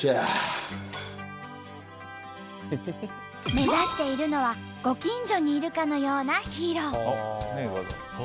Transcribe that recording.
目指しているのはご近所にいるかのようなヒーロー。